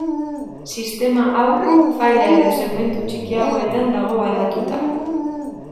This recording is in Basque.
Sistema hau faila edo segmentu txikiagoetan dago banatuta.